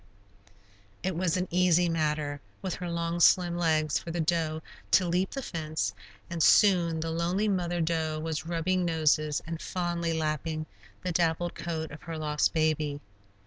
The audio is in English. It was an easy matter, with her long, slim legs, for the doe to leap the fence, and soon the lonely mother doe was rubbing noses and fondly lapping the dappled coat of her lost baby.